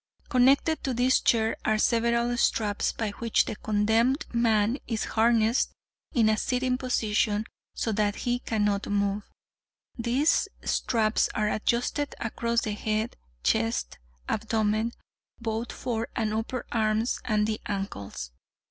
Connected to this chair are several straps, by which the condemned man is harnessed in a sitting position, so that he cannot move. These straps are adjusted across the head, chest, abdomen, both fore and upper arms and the ankles.